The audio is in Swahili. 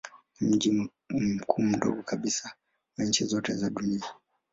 Ni mji mkuu mdogo kabisa wa nchi zote za dunia.